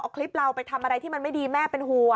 เอาคลิปเราไปทำอะไรที่มันไม่ดีแม่เป็นห่วง